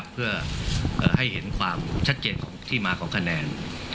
เพื่อให้เห็นความชัดเจนของที่มาของคะแนน